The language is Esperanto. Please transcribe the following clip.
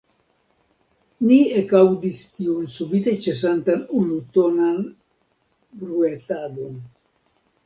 Ni ekaŭdis tiun subite ĉesantan unutonan bruetadon.